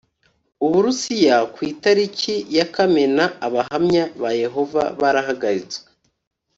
U Burusiya Ku itariki ya Kamena Abahamya ba yehova barahagaritswe